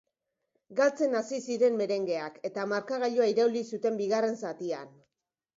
Galtzen hasi ziren merengeak eta markagailua irauli zuten bigarren zatian.